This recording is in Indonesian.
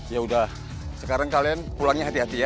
yaudah sekarang kalian pulangnya hati hati ya